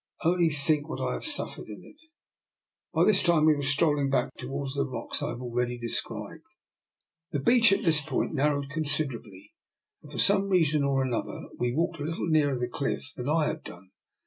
" Only think what I have suffered in it! " By this time we were strolling back to gether towards the rocks I have already de scribed. The beach at this point narrowed considerably, and for some reason or another we walked a little nearer the cliff than I had done.